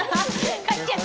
帰っちゃった。